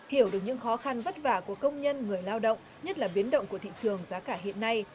hiểu được những khó khăn vất vả của công nhân người lao động nhất là biến động của thị trường giá cả hiện nay